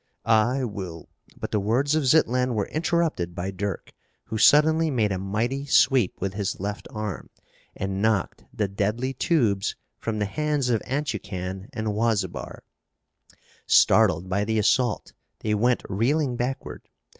"I will " But the words of Zitlan were interrupted by Dirk, who suddenly made a mighty sweep with his left arm and knocked the deadly tubes from the hands of Anteucan and Huazibar. Startled by the assault, they went reeling backward.